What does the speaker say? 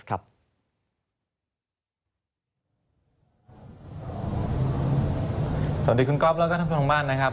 สวัสดีคุณก๊อบและท่านผู้ชมทางบ้าน